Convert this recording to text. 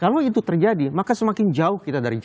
kalau itu terjadi maka semakin jauh kita dari jauh